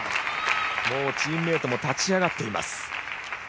チームメートも立ち上がっています。